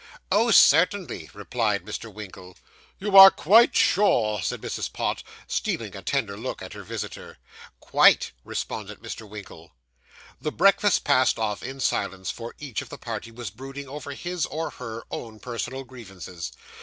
'Oh, certainly,' replied Mr. Winkle. 'You are quite sure?' said Mrs. Pott, stealing a tender look at her visitor. 'Quite,' responded Mr. Winkle. The breakfast passed off in silence, for each of the party was brooding over his, or her, own personal grievances.